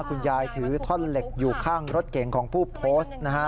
คุณยายถือท่อนเหล็กอยู่ข้างรถเก่งของผู้โพสต์นะฮะ